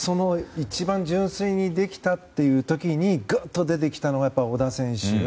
一番純粋にできたという時にぐっと出てきたのが小田選手。